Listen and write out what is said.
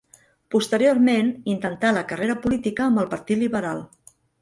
Posteriorment intentà la carrera política amb el Partit Liberal.